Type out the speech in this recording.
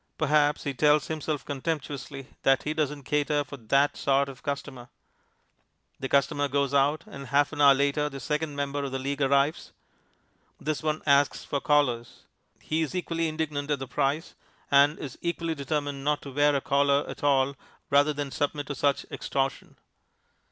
Perhaps he tells himself contemptuously that he doesn't cater for that sort of customer. The customer goes out, and half an hour later the second member of the League arrives. This one asks for collars. He is equally indignant at the price, and is equally determined not to wear a collar at all rather than submit to such extortion.